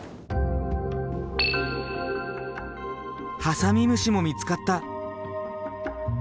ハサミムシも見つかった。